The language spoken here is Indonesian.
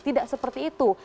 tidak seperti itu